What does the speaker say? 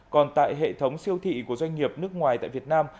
còn tại hệ thống siêu thị của doanh nghiệp nước ngoài tại việt nam